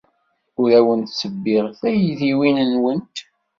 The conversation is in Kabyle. Ur awent-ttebbiɣ taydiwin-nwent.